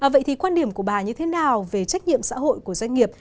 vậy thì quan điểm của bà như thế nào về trách nhiệm xã hội của doanh nghiệp